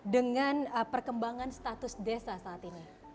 dengan perkembangan status desa saat ini